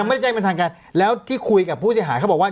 ไม่ได้แจ้งเป็นทางการแล้วที่คุยกับผู้เสียหายเขาบอกว่า